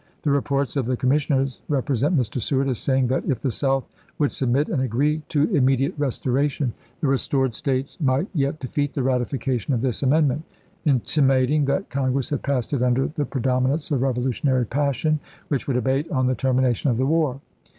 The reports of the commissioners represent Mr. Seward as say ing that if the South would submit and agree to immediate restoration, the restored States might yet defeat the ratification of this amendment, inti mating that Congress had passed it "under the predominance of revolutionary passion," which would abate on the termination of the war.